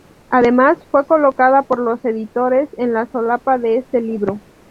Además, fue colocada por los editores en la solapa de este libro.